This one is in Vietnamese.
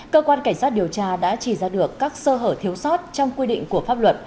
cơ quan cảnh sát điều tra đã chỉ ra được các sơ hở thiếu sót trong quy định của pháp luật